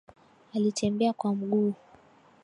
Alitembea kwa mguu